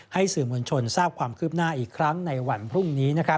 สื่อมวลชนทราบความคืบหน้าอีกครั้งในวันพรุ่งนี้